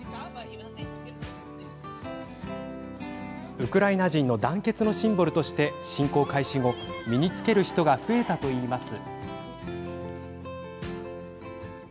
ウクライナ人の団結のシンボルとして侵攻開始後、身に着ける人が増えたといいます。